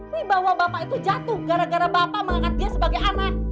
tapi bahwa bapak itu jatuh gara gara bapak mengangkat dia sebagai anak